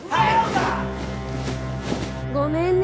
ごめんね。